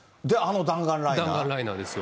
で、弾丸ライナーですよ。